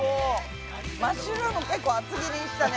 マッシュルームけっこう厚切りにしたね。